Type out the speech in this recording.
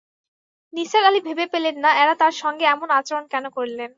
নিসার আলি ভেবে পেলেন না, এরা তাঁর সঙ্গে এমন আচরণ কেন করলেন।